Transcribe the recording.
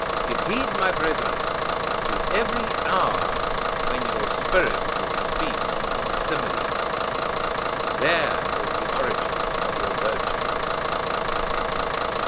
Give heed, my brethren, to every hour when your spirit would speak in similes: there is the origin of your virtue.